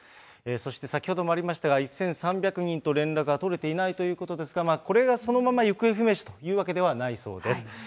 そして先ほどもありましたが、１３００人と連絡が取れていないということですが、これがそのまま行方不明者というわけではないそうです。